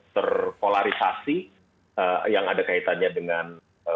terpolarisasi yang ada kaitannya dengan